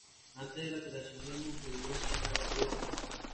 Antes de la creación del mundo, Dios llenaba todo el espacio.